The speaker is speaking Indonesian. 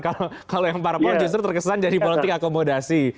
kalau yang parpol justru terkesan jadi politik akomodasi